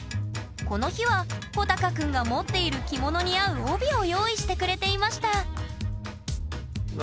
この日はほたかくんが持っている着物に合う帯を用意してくれていました